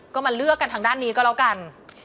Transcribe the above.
ก็มาเลือกกันทางด้านนี้ก็แล้วกัน